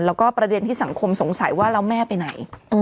แล้วก็ประเด็นที่สังคมสงสัยว่าแล้วแม่ไปไหน